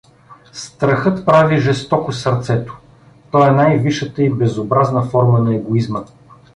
Страхът прави жестоко сърцето, той е най-висшата и безобразна форма на егоизма.